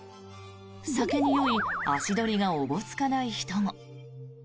酒に酔い足取りがおぼつかない人も。